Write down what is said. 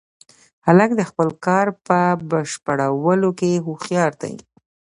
هلک د خپل کار په بشپړولو کې هوښیار دی.